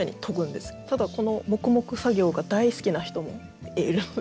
ただこの黙々作業が大好きな人もいるので。